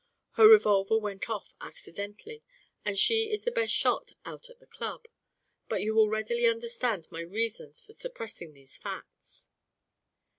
Her revolver went off accidentally and she is the best shot out at the Club. But you will readily understand my reasons for suppressing these facts."